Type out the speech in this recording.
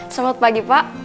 selamat pagi pak